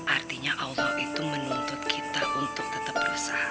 artinya allah itu menuntut kita untuk tetap berusaha